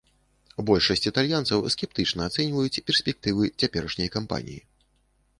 Большасць італьянцаў скептычна ацэньваюць перспектывы цяперашняй кампаніі.